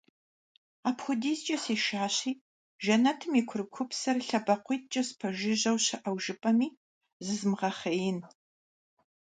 Апхуэдизкӏэ сешащи Жэнэтым и курыкупсэр лъэбакъуиткӏэ спэжыжэу щыӏэу жыпӏэми зызмыгъэхъеин.